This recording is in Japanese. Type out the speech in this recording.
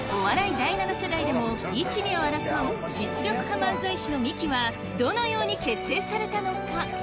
第７世代でも１・２を争う実力派漫才師のミキはどのように結成されたのか？